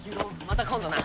また今度な。